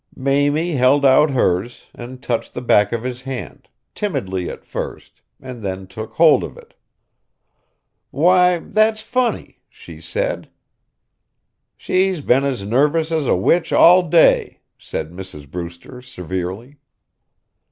Mamie held out hers, and touched the back of his hand, timidly at first, and then took hold of it. "Why, that's funny," she said. "She's been as nervous as a witch all day," said Mrs. Brewster, severely.